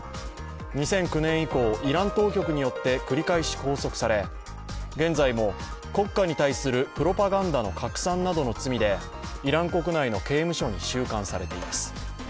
２００９年以降、イラン当局によって繰り返し拘束され現在も国家に対するプロパガンダの拡散などの罪でイラン国内の刑務所に収監されています。